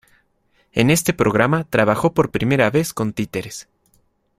En este programa trabajó por vez primera con títeres.